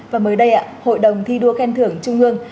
và mới đây hội đồng thi đua khen thưởng trung ương